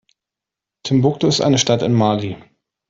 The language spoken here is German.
Timbuktu ist eine Stadt in Mali.